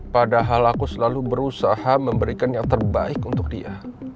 padahal aku selalu berusaha memberikan yang terbaik untuk dia